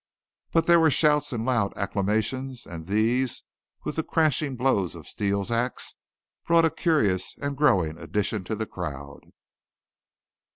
But there were shouts and loud acclamations; and these, with the crashing blows of Steele's ax, brought a curious and growing addition to the crowd.